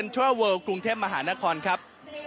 ขอบคุณครับ